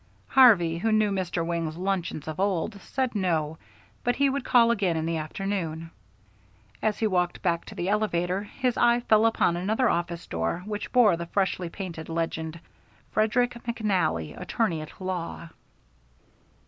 Harvey, who knew Mr. Wing's luncheons of old, said no, but he would call again in the afternoon. As he walked back to the elevator his eye fell upon another office door which bore the freshly painted legend, "Frederick McNally, Attorney at law."